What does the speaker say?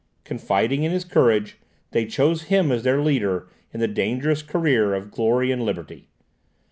Confiding in his courage, they choose him as their leader in the dangerous career of glory and liberty.